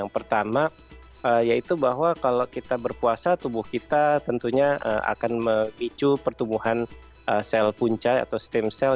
pertama yaitu bahwa kalau kita berpuasa tubuh kita tentunya akan memicu pertumbuhan sel punca atau stem cell